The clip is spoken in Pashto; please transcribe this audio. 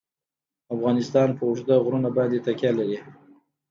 افغانستان په اوږده غرونه باندې تکیه لري.